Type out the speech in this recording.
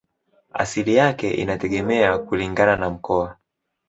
Asili yake inategemea kulingana na mkoa.